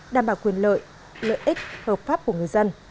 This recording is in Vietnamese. đảm bảo quyền lợi lợi ích hợp pháp của người dân